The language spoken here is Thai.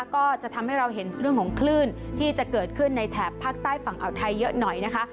ก็จะทำให้เราเห็นเรื่องของคลื่นที่จะเกิดขึ้นในแถบภาคใต้ฝั่งอ่าวไทยเยอะหน่อยนะคะ